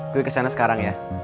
gue kesana sekarang ya